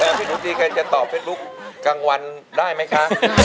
ถามพี่หลุตี้ใครจะตอบให้ลุกกลางวันได้ไหมคะ